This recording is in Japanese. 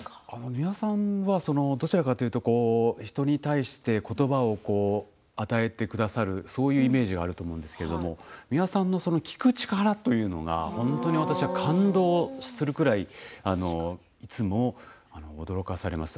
美輪さんはどちらかというと人に対してことばを与えてくださるそういうイメージがあると思うんですけれど美輪さんの聞く力というのが本当に私は感動するくらいいつも驚かされます。